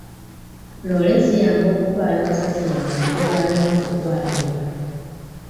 Loore ziyamba okutwala kasasiro mu bifo gy'alina okutwalibwa.